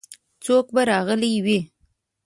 څوک به راغلي وي؟